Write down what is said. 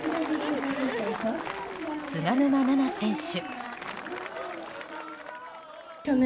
菅沼菜々選手。